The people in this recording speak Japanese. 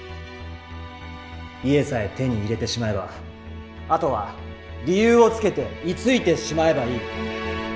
家さえ手に入れてしまえばあとは理由をつけて居ついてしまえばいい。